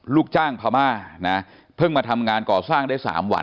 ลูกจ้างพม่านะเพิ่งมาทำงานก่อสร้างได้๓วัน